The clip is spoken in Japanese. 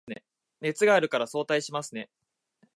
熱があるから早退しますね